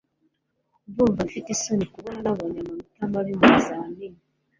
ndumva mfite isoni kubona nabonye amanota mabi mubizamini